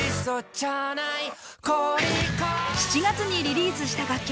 ７月にリリースした楽曲